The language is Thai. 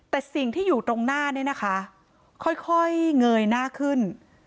แต่สิ่งที่อยู่ตรงหน้าเนี่ยนะคะค่อยเงยหน้าขึ้น